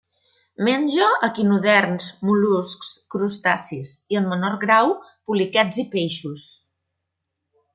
Menja equinoderms, mol·luscs, crustacis i, en menor grau, poliquets i peixos.